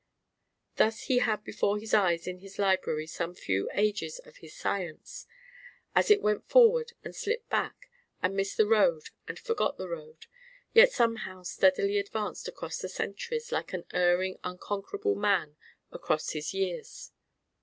Thus he had before his eyes in his library some few Ages of his Science as it went forward and slipped back and missed the road and forgot the road, yet somehow steadily advanced across the centuries like an erring unconquerable man across his years.